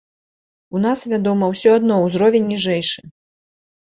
У нас, вядома, усё адно ўзровень ніжэйшы.